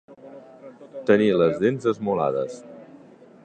Tenir les dents esmolades.